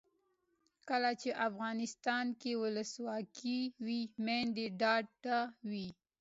کله چې افغانستان کې ولسواکي وي میندې ډاډه وي.